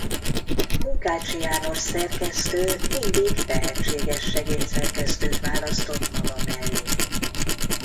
Munkácsy János szerkesztő mindig tehetséges segédszerkesztőt választott maga mellé.